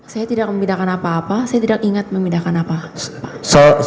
saya tidak ingat memindahkan apa apa